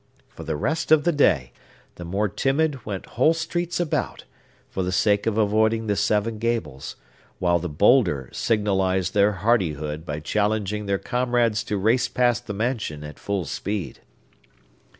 For the rest of the day, the more timid went whole streets about, for the sake of avoiding the Seven Gables; while the bolder signalized their hardihood by challenging their comrades to race past the mansion at full speed.